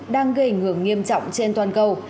đang gây ảnh hưởng nghiêm trọng trên thế giới